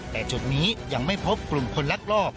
แต่จุดนี้ยังไม่พบกลุ่มคนลักลอบ